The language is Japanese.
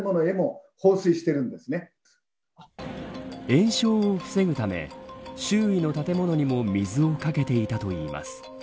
延焼を防ぐため周囲の建物にも水をかけていたといいます。